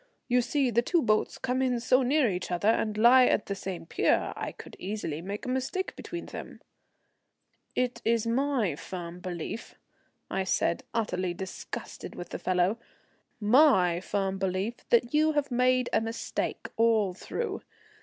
You see the two boats come in so near each other and lie at the same pier. I could easily make a mistake between them." "It is my firm belief," I said, utterly disgusted with the fellow, "my firm belief that you have made a mistake all through.